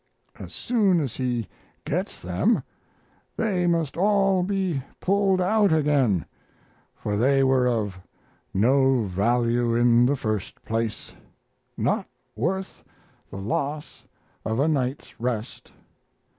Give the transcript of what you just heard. As soon as he gets them they must all be pulled out again, for they were of no value in the first place, not worth the loss of a night's rest.